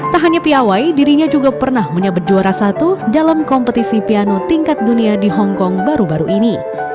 tak hanya piawai dirinya juga pernah menyebut juara satu dalam kompetisi piano tingkat dunia di hongkong baru baru ini